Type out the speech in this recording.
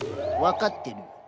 分かってるよ。